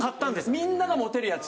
みんなが持てるやつ？